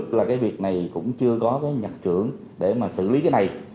rất là cái việc này cũng chưa có cái nhặt trưởng để mà xử lý cái này